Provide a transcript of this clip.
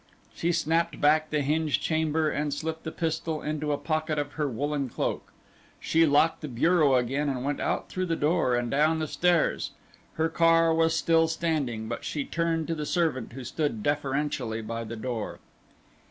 She snapped back the hinged chamber and slipped the pistol into a pocket of her woollen cloak. She locked the bureau again and went out through the door and down the stairs. Her car was still waiting, but she turned to the servant who stood deferentially by the door.